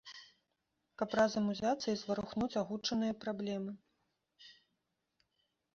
Каб разам узяцца і зварухнуць агучаныя праблемы.